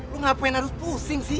lu ngapain harus pusing sih